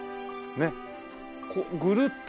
ねっ。